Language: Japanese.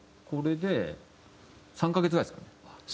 これで３カ月ぐらいですかね。